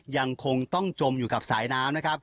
ยังคงต้องจมอยู่กับสายน้ำ